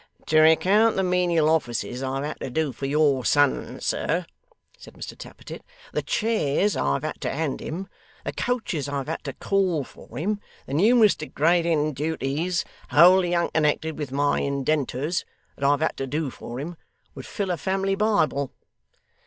'To recount the menial offices I've had to do for your son, sir,' said Mr Tappertit; 'the chairs I've had to hand him, the coaches I've had to call for him, the numerous degrading duties, wholly unconnected with my indenters, that I've had to do for him, would fill a family Bible.